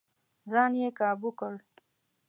ځان يې کابو کړ.